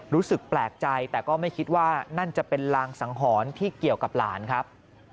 รู้สึกแปลกใจแต่ก็ไม่คิดว่านั่นจะเป็นรางสังหรณ์ที่เกี่ยวกับหลานครับ